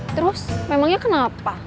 terus memangnya kenapa